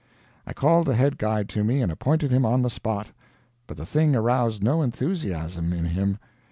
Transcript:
I called the head guide to me and appointed him on the spot. But the thing aroused no enthusiasm in him.